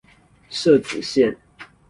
社子線